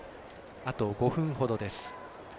あと５分ほどです。